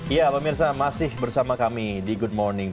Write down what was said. ya pemirsa masih bersama kami di good morning